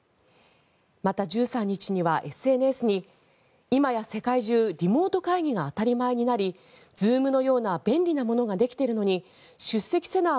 また、１３日にはＳＮＳに今や世界中リモート会議が当たり前になりＺｏｏｍのような便利のものができているので出席せなあ